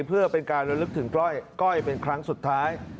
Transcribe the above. เพื่อเป็นการระลึกถึงก้อยเป็นครั้งสุดท้าย